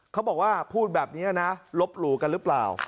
เขาบอกว่าพูดแบบนี้นะลบหลู่กันหรือเปล่า